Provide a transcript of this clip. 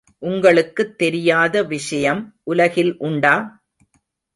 உங்களுக்குத் தெரியாத விஷயம் உலகில் உண்டா?